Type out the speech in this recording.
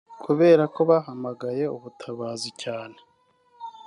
Kubera ko bahamagaye ubutabazi cyane